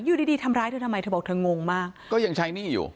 อยู่ดีดีทำร้ายเธอทำไมเธอบอกเธองงมากก็ยังใช้หนี้อยู่